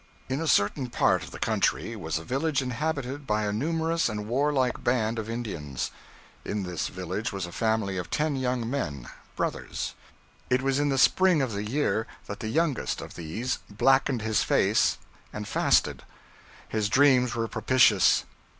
In a certain part of the country was a village inhabited by a numerous and warlike band of Indians. In this village was a family of ten young men brothers. It was in the spring of the year that the youngest of these blackened his face and fasted. His dreams were propitious.